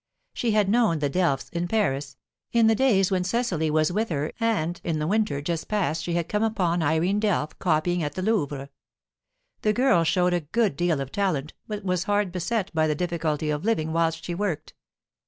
She had known the Delphs in Paris, in the days when Cecily was with her and in the winter just past she had come upon Irene Delph copying at the Louvre; the girl showed a good deal of talent but was hard beset by the difficulty of living whilst she worked.